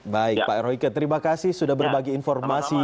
baik pak royke terima kasih sudah berbagi informasi